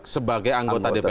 sebagai anggota dpr